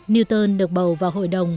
newton được bầu vào hội đồng